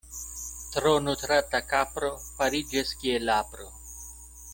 Tro nutrata kapro fariĝas kiel apro.